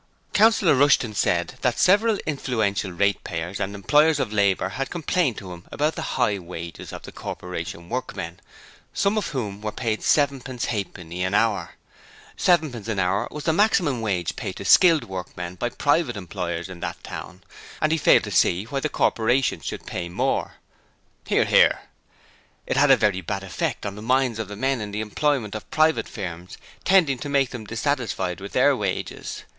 Councillor Rushton said that several influential ratepayers and employers of labour had complained to him about the high wages of the Corporation workmen, some of whom were paid sevenpence halfpenny an hour. Sevenpence an hour was the maximum wage paid to skilled workmen by private employers in that town, and he failed to see why the Corporation should pay more. (Hear, hear.) It had a very bad effect on the minds of the men in the employment of private firms, tending to make them dissatisfied with their wages.